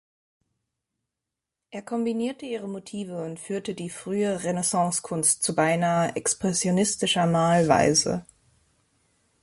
Er kombinierte ihre Motive und führte die frühe Renaissancekunst zu beinahe expressionistischer Malweise.